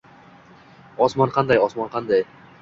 «Osmon qanday, osmon qanday